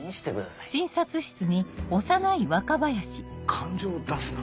感情を出すな。